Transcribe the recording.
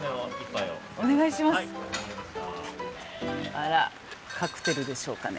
あらカクテルでしょうかね